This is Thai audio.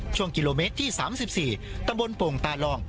ช่วงกิโลเมตรที่สามสิบสี่ตะบนโป่งตาลอง